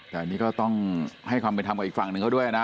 แต่อันนี้ก็ต้องให้ความเป็นธรรมกับอีกฝั่งหนึ่งเขาด้วยนะ